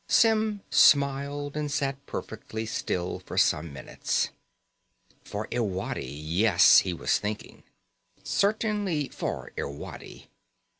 Symm smiled and sat perfectly still for some minutes. For Irwadi, yes, he was thinking. Certainly for Irwadi.